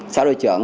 xã đội trưởng